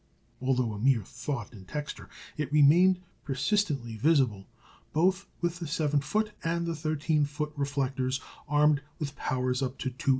Although a "mere thought" in texture, it remained persistently visible both with the seven foot and the thirteen foot reflectors, armed with powers up to 288.